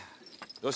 よし。